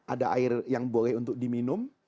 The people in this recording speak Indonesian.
ada air yang boleh untuk diminum